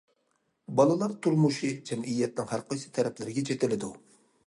بالىلار تۇرمۇشى جەمئىيەتنىڭ ھەرقايسى تەرەپلىرىگە چېتىلىدۇ.